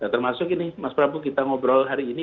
termasuk ini mas prabu kita ngobrol hari ini